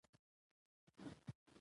د واک انتقال باید سوله ییز وي